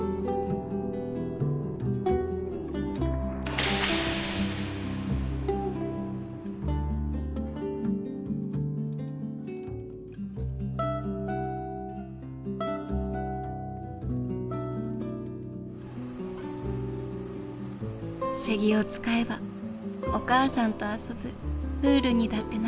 セギを使えばお母さんと遊ぶプールにだってなるね。